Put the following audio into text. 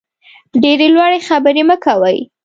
ډېرې لوړې خبرې مه کوئ.